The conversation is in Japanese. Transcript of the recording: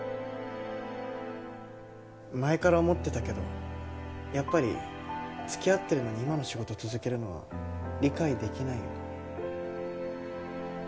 前から思ってたけどやっぱりつきあってるのに今の仕事続けるのは理解できないよ。